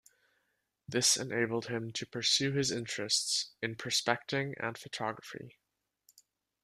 This enabled him to pursue his interests in prospecting and photography.